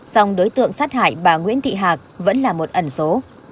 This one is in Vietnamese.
song đối tượng sát hại bà nguyễn thị hạc vẫn là một ẩn số